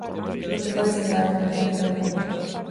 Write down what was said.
Non te podes negar, de maneira que alá fun.